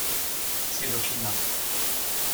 C'est le climat.